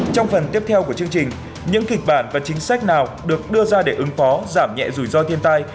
trong phần tiếp theo của chương trình những kịch bản và chính sách nào được đưa ra để ứng phó giảm nhẹ rủi ro thiên tai